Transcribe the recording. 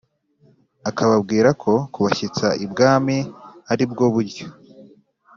akababwirako kubashyitsa ibwami aribwo buryo